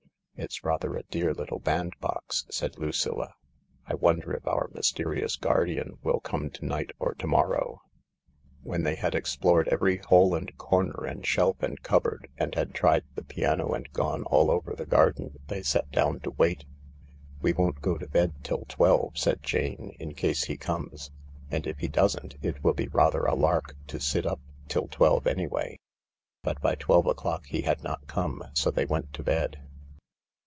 " It's rather a dear little bandbox," said Lucilla. " I wonder if our mysterious guardian will come to night or to morrow ?" When they had explored every hole and corner and shelf and cupboard, and had tried the piano and gone all over the garden, they sat down to wait. "We won't go to bed till twelve," said Jane, "in case he comes. And if he doesn't, it will be rather a lark to sit up till twelve anyway." But by twelve o'clock he had not come, so they went to bed.